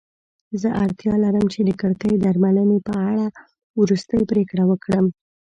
زه اړتیا لرم چې د کړکۍ درملنې په اړه وروستۍ پریکړه وکړم.